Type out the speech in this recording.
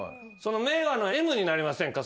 命和のＭになりませんか？